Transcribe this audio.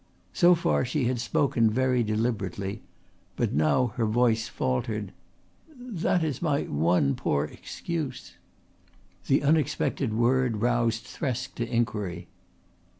So far she had spoken very deliberately, but now her voice faltered. "That is my one poor excuse." The unexpected word roused Thresk to inquiry.